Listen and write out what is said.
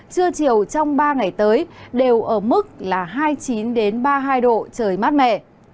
trưa chiều trong ba ngày tới đều ở mức là hai mươi chín ba mươi hai độ trời mát mẻ